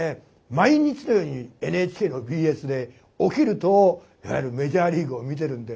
毎日のようにＮＨＫのＢＳで起きるといわゆるメジャーリーグを見てるんで。